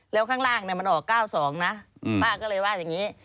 แล้วข้างล่างมันออก๙๒นะป้าก็เลยว่าอย่างนี้